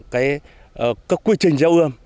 các quy trình gieo ươm